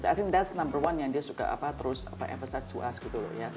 i think that's number one yang dia suka terus emphasize to us gitu